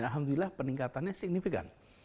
alhamdulillah peningkatannya signifikan